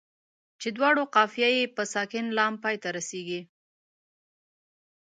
چې دواړو قافیه یې په ساکن لام پای ته رسيږي.